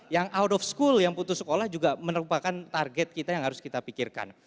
yang out of school yang putus sekolah juga merupakan target kita yang harus kita pikirkan